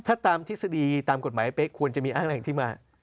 ถ้าตามทฤษฎีตามกฎหมายเป๊ะควรจะมีอ้างแหล่งที่มา